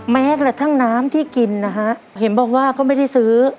แม้กระทั่งน้ำที่กินนะฮะเห็นบอกว่าก็ไม่ได้ซื้อ